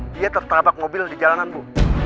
dia tertabak mobil di jalanan bu